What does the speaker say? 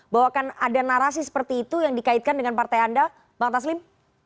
bahwa akan ada narasi seperti itu yang dikaitkan dengan partai anda bang taslim